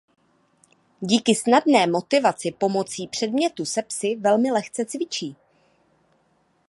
Díky snadné motivaci pomocí předmětu se psi velmi lehce cvičí.